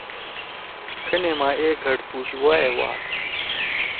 کھنا ما اے گھڑپُش وائے واد۔